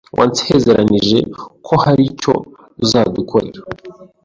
Wansezeranije ko hari icyo uzadukorera.